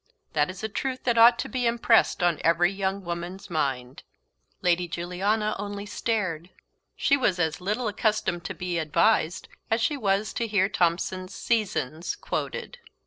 That is a truth that ought to be impressed on every young woman's mind." Wrap. Lady Juliana only stared. She was as little accustomed to be advised as she was to hear Thomson's "Seasons" quoted.